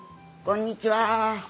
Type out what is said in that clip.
こんにちは。